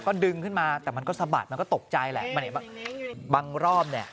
ก็ดึงขึ้นมาแต่มันก็สะบัดมันก็ตกใจแหละมันเห็นบางรอบเนี่ย